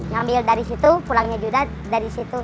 ngambil dari situ pulangnya juga dari situ